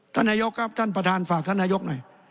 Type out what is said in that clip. นายกครับท่านประธานฝากท่านนายกหน่อย